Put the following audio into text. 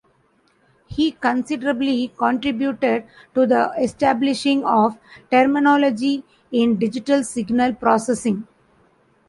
He considerably contributed to the establishing of terminology in digital signal processing.